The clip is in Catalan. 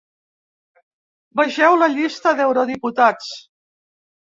Vegeu la llista d’eurodiputats.